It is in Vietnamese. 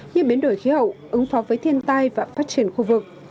như biến đổi khí hậu ứng phó với thiên tai và phát triển khu vực